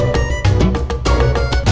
dot dot dot buka dot buka dot